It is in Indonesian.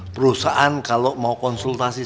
perusahaan kalau mau konsultasi